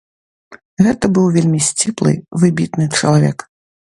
Гэта быў вельмі сціплы, выбітны чалавек.